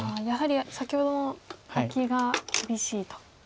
やはり先ほどのオキが厳しいと。